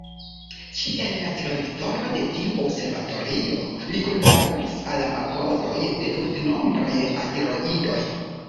Kiel la direktoro de tiu observatorio, li kunlaboris al la malkovroj de multenombraj asteroidoj.